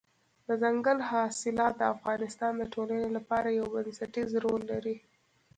دځنګل حاصلات د افغانستان د ټولنې لپاره یو بنسټيز رول لري.